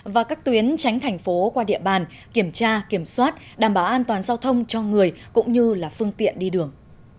và các tuyến tránh thành phố qua địa bàn kiểm tra kiểm soát đảm bảo an toàn giao thông cho người cũng như là phương tiện đi đường